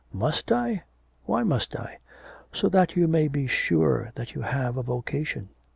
'Must I? Why must I?' 'So that you may be sure that you have a vocation.